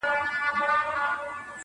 ډلي ډلي به مخلوق ورته راتلله-